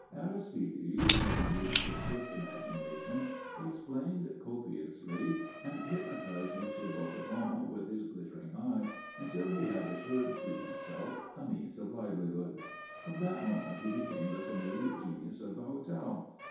Aristide, letting loose his swift imagination, explained copiously, and hypnotized M. Bocardon with his glittering eye, until he had assured to himself a means of livelihood. From that moment he became the familiar genius of the hotel.